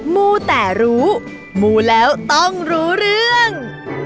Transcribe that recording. มูแต่รู้มูแล้วต้องรู้เรื่อง